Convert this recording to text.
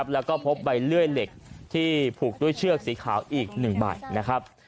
แล้วก็พบใบเลื่อยเหล็กที่ผูกด้วยเชือกสีขาวอีก๑ใบนะครับ